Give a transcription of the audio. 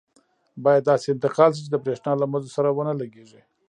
باید داسې انتقال شي چې د بریښنا له مزو سره ونه لګېږي.